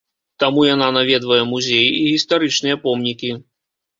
Таму яна наведвае музеі і гістарычныя помнікі.